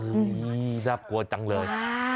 อื้อจับกลัวจังเลย